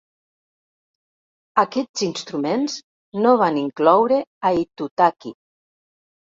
Aquest instruments no van incloure Aitutaki.